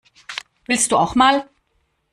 Willst du auch mal?